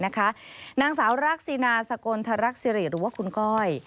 นางสาวรักษีนาสกลธรักษิริหรือว่าคุณก้อย